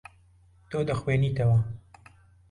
تۆ دەخوێنیتەوە.